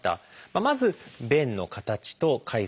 まず「便の形と回数」。